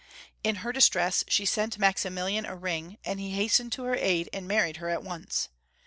In her distress she sent Maximilian a ring, and he hastened to her aid, and married her at once.